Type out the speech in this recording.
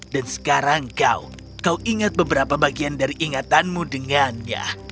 dan sekarang kau kau ingat beberapa bagian dari ingatanmu dengannya